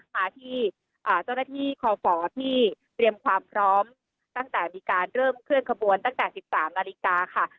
มาที่เจ้าหน้าที่คอฝที่เตรียมความพร้อมตั้งแต่มีการเริ่มเคลื่อนขบวนตั้งแต่๑๓นาฬิกาค่ะ